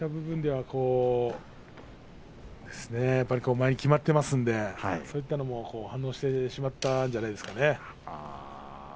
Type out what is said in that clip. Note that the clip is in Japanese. そういった部分では前に決まっていますのでそういった部分が反応してしまったんじゃないですかね。